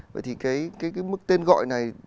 vậy thì cái mức tên gọi này